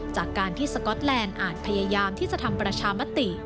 จากการที่สก๊อตแลนด์อาจพยายามที่จะทำประชามติ